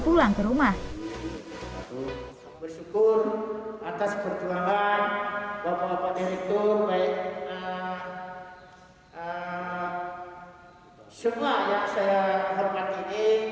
penyakit juga di ruang berselorongan selama beberapa hari nanti bengung university secara komium